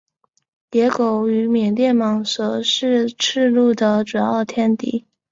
野狗与缅甸蟒蛇是赤麂的主要天敌。